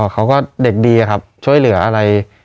เขาก็เด็กดีครับช่วยเหลืออะไร